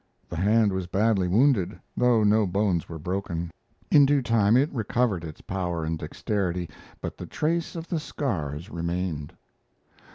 The hand was badly wounded, though no bones were broken. In due time it recovered, its power and dexterity, but the trace of the scars remained.